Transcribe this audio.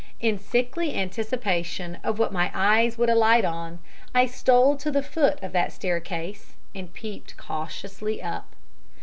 In sickly anticipation of what my eyes would alight on, I stole to the foot of the staircase and peeped cautiously up.